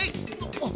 あっ。